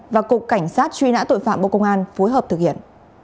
và cục cảnh sát truy nã tội phạm bộ công an phối hợp thực hiện